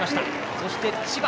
そして千葉。